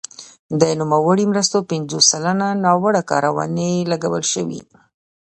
د نوموړو مرستو پنځوس سلنه ناوړه کارونې لګول شوي.